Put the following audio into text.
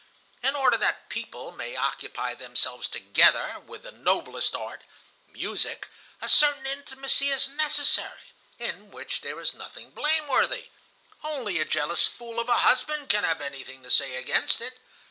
In order that people may occupy themselves together with the noblest art, music, a certain intimacy is necessary, in which there is nothing blameworthy. Only a jealous fool of a husband can have anything to say against it.